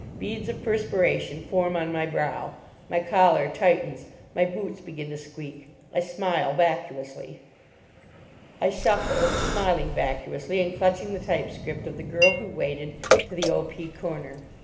Beads of perspiration form on my brow. My collar tightens. My boots begin to squeak. I smile vacuously. I shuffled, smiling vacuously and clutching the type script of The Girl who Waited, to the O.P. corner.